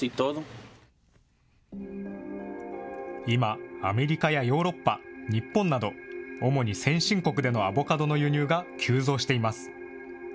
今、アメリカやヨーロッパ、日本など、主に先進国でのアボカドの輸入が急増しています。